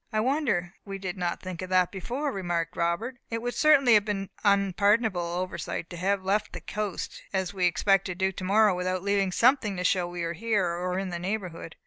"I wonder we did not think of that before," remarked Robert. "It would certainly have been an unpardonable oversight to have left the coast, as we expect to do tomorrow, without leaving something to show that we are here, or in the neighbourhood."